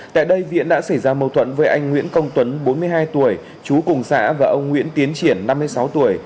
tại đây viễn đã xảy ra mâu thuẫn với anh nguyễn công tuấn bốn mươi hai tuổi chú cùng xã và ông nguyễn tiến triển năm mươi sáu tuổi